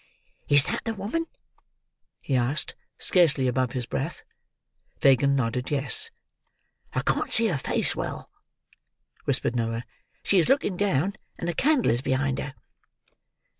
"Is that the woman?" he asked, scarcely above his breath. Fagin nodded yes. "I can't see her face well," whispered Noah. "She is looking down, and the candle is behind her."